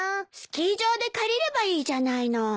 スキー場で借りればいいじゃないの。